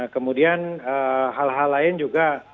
kemudian hal hal lain juga